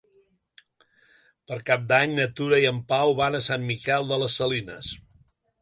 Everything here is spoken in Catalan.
Per Cap d'Any na Tura i en Pau van a Sant Miquel de les Salines.